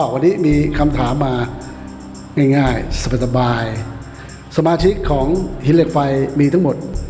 วันนี้มีคำถามมาง่ายง่ายสบายสบายสมาชิกของหินเหล็กไฟมีทั้งหมด